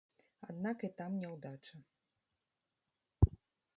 Аднак і там няўдача.